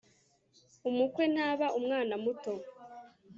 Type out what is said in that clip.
umukwe ntaba umwana muto